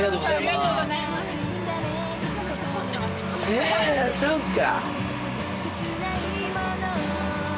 えそっか。